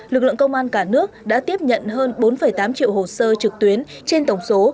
lực lượng công an cả nước đã tiếp nhận hơn bốn tám triệu hồ sơ trực tuyến trên tổng số